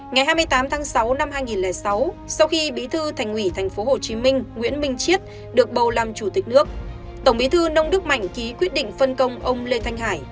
ngày hai mươi tám tháng sáu năm hai nghìn sáu sau khi bí thư thành ủy tp hcm nguyễn minh chiết được bầu làm chủ tịch nước tổng bí thư nông đức mạnh ký quyết định phân công ông lê thanh hải